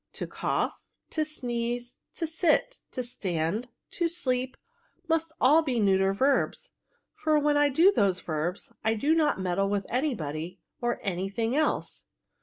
To cough, to sneeze, to sit, to stand, to sleep, must all be neuter verbs; for when I do those verbs, I do not meddle with any body or any thing else."